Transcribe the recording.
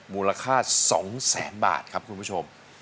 มูลค่า๒แสนบาทครับคุณผู้ชม